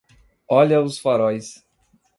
Olha os faróis!